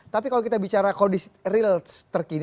tapi kalau kita bicara kondisi real terkini